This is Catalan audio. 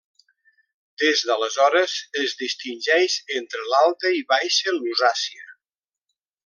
Des d'aleshores, es distingeix entre l'Alta i Baixa Lusàcia.